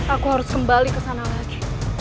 aku harus kembali ke sana lagi